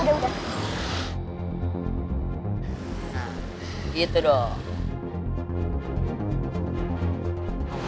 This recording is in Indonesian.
nah gitu dong